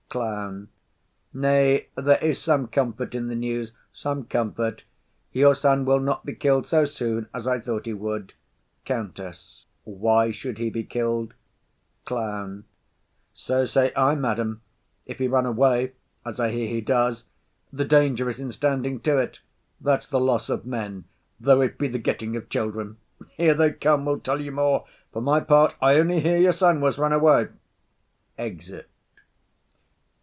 CLOWN. Nay, there is some comfort in the news, some comfort; your son will not be kill'd so soon as I thought he would. COUNTESS. Why should he be kill'd? CLOWN. So say I, madam, if he run away, as I hear he does; the danger is in standing to't; that's the loss of men, though it be the getting of children. Here they come will tell you more. For my part, I only hear your son was run away. [_Exit.